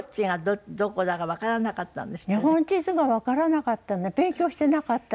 日本地図がわからなかったので勉強してなかったですから。